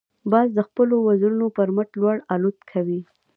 باز د خپلو وزرونو پر مټ لوړ الوت کوي